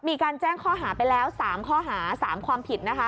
มีการแจ้งข้อหาไปแล้ว๓ข้อหา๓ความผิดนะคะ